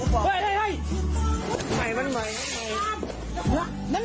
จอบแล้ว